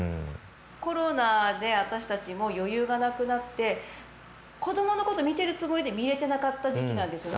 コロナで私たちも余裕がなくなって子どものこと見てるつもりで見えてなかった時期なんですよね